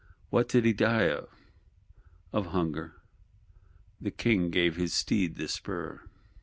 'What did he die of?'—'Of hunger:'—the King gave his steed the spur.